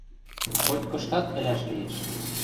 — Хоть-кыштат ӹлӓш лиэш.